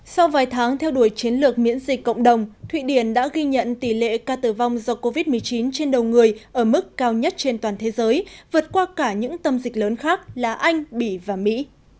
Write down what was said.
sau vài tháng theo đuổi chiến lược miễn dịch cộng đồng thụy điển đã ghi nhận tỷ lệ ca tử vong do covid một mươi chín trên đầu người ở mức cao nhất trên toàn thế giới vượt qua cả những tâm dịch lớn khác là anh bỉ và mỹ